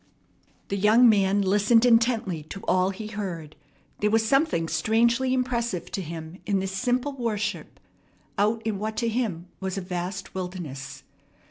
The young man listened intently to all he heard. There was something strangely impressive to him in this simple worship out in what to him was a vast wilderness.